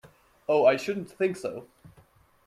Oh, I shouldn't think so.